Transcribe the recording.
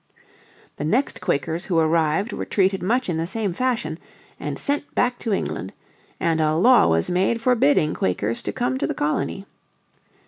The next Quakers who arrived were treated much in the same fashion and sent back to England; and a law was made forbidding Quakers to come to the colony.